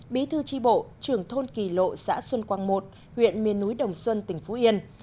bí thư tri bộ trưởng thôn kỳ lộ xã xuân quang một huyện miền núi đồng xuân tỉnh phú yên